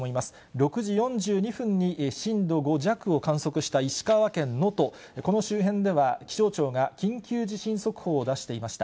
６時４２分に震度５弱を観測した石川県能登、この周辺では、気象庁が緊急地震速報を出していました。